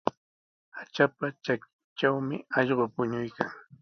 Hatrapa trakintrawmi allqu puñuykan.